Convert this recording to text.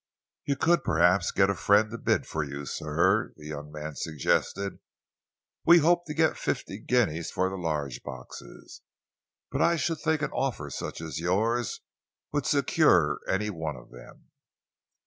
"You could perhaps get a friend to bid for you, sir," the young man suggested. "We hope to get fifty guineas for the large boxes, but I should think an offer such as yours would secure any one of them."